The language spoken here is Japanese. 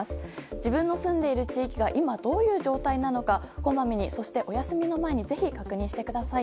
自分の住んでいる地域が今どういう状態なのかこまめに、そしてお休みの前にぜひ、確認してください。